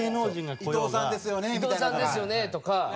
「伊藤さんですよね？」とか。